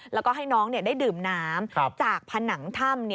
แล้วก็ให้น้องได้ดื่มน้ำจากผนังถ้ำ